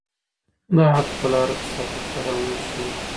د حق په لاره کې ثابت قدم اوسئ.